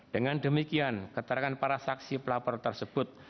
dengan demikian keterangan para saksi pelapor tersebut